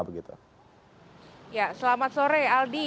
selamat sore aldi